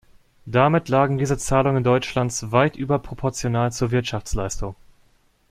Damit lagen diese Zahlungen Deutschlands weit überproportional zur Wirtschaftsleistung.